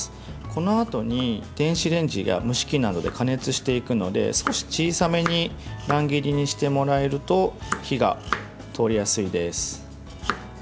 このあとに電子レンジや蒸し器などで加熱していくので少し小さめに乱切りにしてもらえると火が通りやすいです。